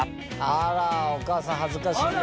あらお母さん恥ずかしい。